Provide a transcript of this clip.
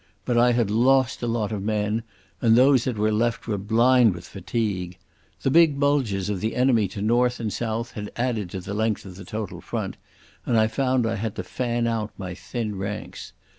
But I had lost a lot of men, and those that were left were blind with fatigue. The big bulges of the enemy to north and south had added to the length of the total front, and I found I had to fan out my thin ranks.